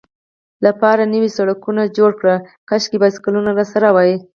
لپاره نوي سړکونه جوړ کړي، کاشکې بایسکلونه راسره وای.